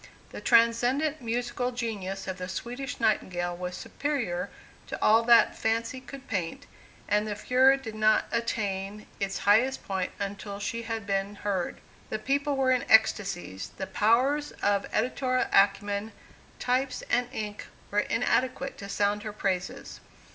The transcendent musical genius of the Swedish Nightingale was superior to all that fancy could paint, and the furor did not attain its highest point until she had been heard. The people were in ecstasies; the powers of editorial acumen, types and ink, were inadequate to sound her praises.